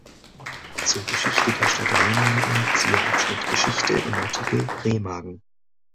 Zur Geschichte der Stadt Remagen siehe Abschnitt „Geschichte“ im Artikel Remagen.